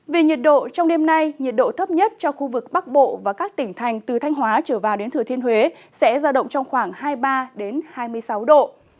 về nhiệt độ trong đêm nay nhiệt độ thấp nhất cho khu vực bắc bộ và các tỉnh thành từ thanh hóa trở vào đến thừa thiên huế sẽ giao động trong khoảng hai mươi ba hai mươi sáu độ